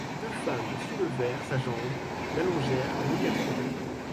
Deux femmes soulevèrent sa jambe, l'allongèrent délicatement.